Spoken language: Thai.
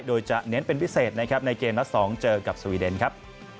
โดยจะเน้นเป็นพิเศษนะครับในเกมนัด๒เจอกับสวีเดนครับ